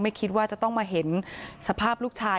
คิดว่าจะต้องมาเห็นสภาพลูกชาย